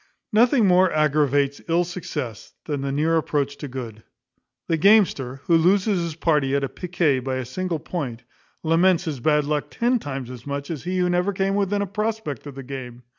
Nothing more aggravates ill success than the near approach to good. The gamester, who loses his party at piquet by a single point, laments his bad luck ten times as much as he who never came within a prospect of the game.